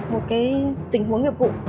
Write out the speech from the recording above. một cái tình huống nghiệp vụ